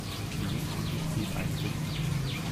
Die Jungs und ich gehen einen trinken.